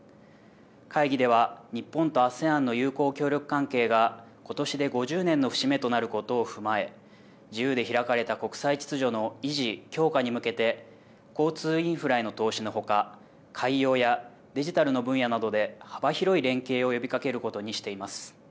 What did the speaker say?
会議では日本とＡＳＥＡＮの友好協力関係がことしで５０年の節目となることを踏まえ自由で開かれた国際秩序の維持・強化に向けて交通インフラへの投資のほか海洋やデジタルの分野などで幅広い連携を呼びかけることにしています。